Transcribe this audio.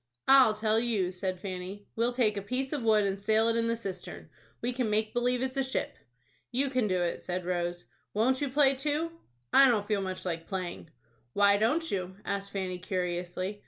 "I'll tell you," said Fanny, "we'll take a piece of wood, and sail it in the cistern. We can make believe it's a ship." "You can do it," said Rose. "Won't you play too?" "I don't feel much like playing." "Why don't you?" asked Fanny, curiously.